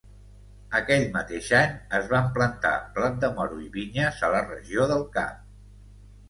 Aquell mateix any, es van plantar blat de moro i vinyes a la regió del Cap.